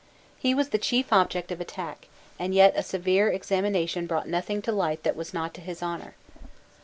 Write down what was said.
He was the chief object of attack; and yet a severe examination brought nothing to light that was not to his honour.